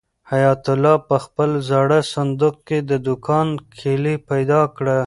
حیات الله په خپل زاړه صندوق کې د دوکان کلۍ پیدا کړه.